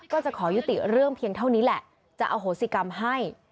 ก็จะขอยุติเรื่องเพียงเท่านี้แหละจะอโหสิกรรมให้